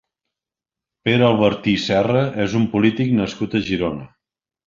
Pere Albertí Serra és un polític nascut a Girona.